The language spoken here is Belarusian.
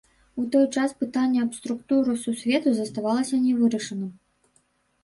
У той час пытанне аб структуры сусвету заставалася нявырашаным.